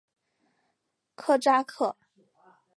科扎克。